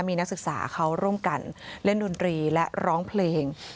มีนักศึกษาเขาร่วมกันเล่นดนตรีและร้องเพลง